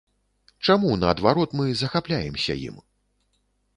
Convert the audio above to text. Чаму, наадварот, мы захапляемся ім?